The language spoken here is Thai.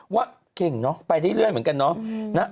ว่าเก่งเนอะไปได้เรื่อยเหมือนกันเนาะ